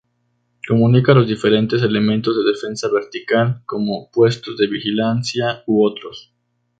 Comunica los diferentes elementos de defensa vertical, como puestos de vigilancia u otros.